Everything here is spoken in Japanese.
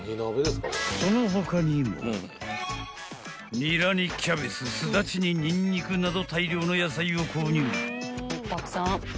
［ニラにキャベツスダチにニンニクなど大量の野菜を購入］